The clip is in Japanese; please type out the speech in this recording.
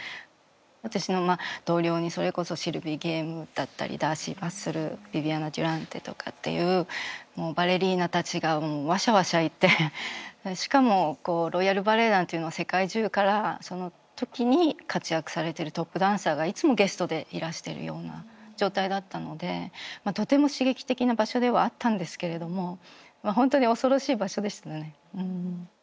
私の同僚にそれこそシルヴィ・ギエムだったりダーシー・バッセルヴィヴィアナ・デュランテとかっていうバレリーナたちがわしゃわしゃいてしかもロイヤル・バレエ団っていうのは世界中からその時に活躍されてるトップダンサーがいつもゲストでいらしてるような状態だったのでとても刺激的な場所ではあったんですけれどもまあ本当に恐ろしい場所でしたね。